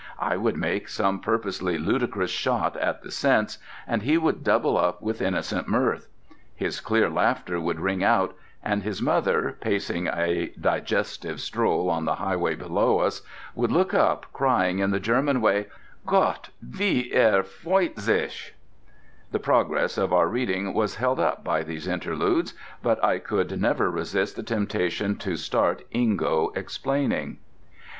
I would make some purposely ludicrous shot at the sense, and he would double up with innocent mirth. His clear laughter would ring out, and his mother, pacing a digestive stroll on the highway below us, would look up crying in the German way, "Gott! wie er freut sich!" The progress of our reading was held up by these interludes, but I could never resist the temptation to start Ingo explaining.